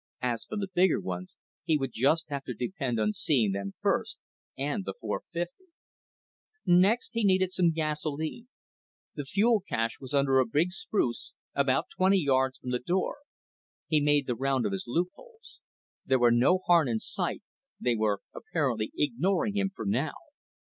As for the bigger ones, he would just have to depend on seeing them first, and the .450. Next, he needed some gasoline. The fuel cache was under a big spruce, about twenty yards from the door. He made the round of his loopholes. There were no Harn in sight, they were apparently ignoring him for now.